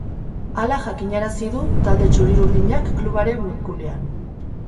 Hala jakinarazi du talde txuri-urinak klubaren webgunean.